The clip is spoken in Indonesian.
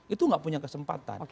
itu gak punya kesempatan